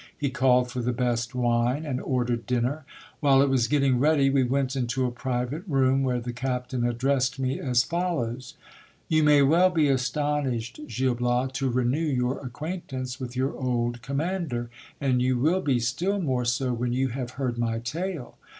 He called for the best wine, and ordered dinner. While it was getting ready, we went into a private room, where the captain addressed 8o GIL BLAS. me as follows : You may well be astonished, Gil Bias, to renew your acquaint ance with your old commander ; and you will be still more so, when you have heard my tale.